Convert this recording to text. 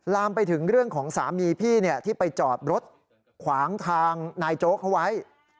ลามไปถึงเรื่องของสามีพี่ที่ไปจอดรถขวางทางนายโจ๊กเขาไว้